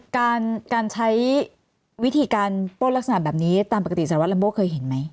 การการใช้วิธีการปล้นลักษณะแบบนี้ตามปกติสารวัตลัมโบเคยเห็นไหม